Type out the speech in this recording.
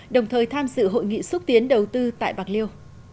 đồng thời tham dự hội nghị xúc tiến đầu tư tại bạc liêu